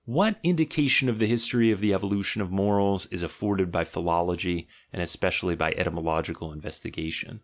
"What indication of the history of the evolution of the moral ideas is afforded by philology, and especially by etymological investigation